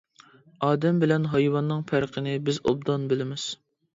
ئادەم بىلەن ھايۋاننىڭ پەرقىنى بىز ئوبدان بىلىمىز.